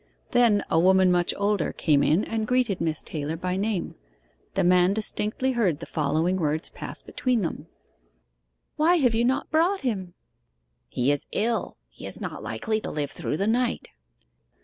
Then a woman much older came in and greeted Miss Taylor by name. The man distinctly heard the following words pass between them: '"Why have you not brought him?" '"He is ill; he is not likely to live through the night."